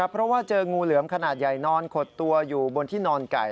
เพราะว่าเจองูเหลือมขนาดใหญ่นอนขดตัวอยู่บนที่นอนไก่